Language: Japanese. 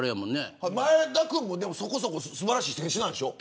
前田君も、そこそこ素晴らしい選手なんでしょ。